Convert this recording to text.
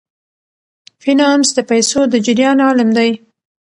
فینانس د پیسو د جریان علم دی.